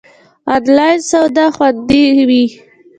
آنلاین سودا خوندی وی؟